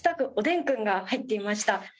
おでんくんが入っていました。